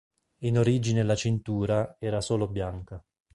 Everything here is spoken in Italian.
In origine la cintura era solo bianca.